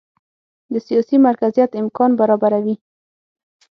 د سیاسي مرکزیت امکان برابروي.